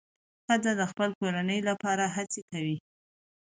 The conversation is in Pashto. ښځه د خپل کورنۍ لپاره هڅې کوي.